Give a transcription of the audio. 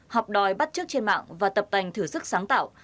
học đòi bắt trước trên mạng và tập tành thử sức sáng tạo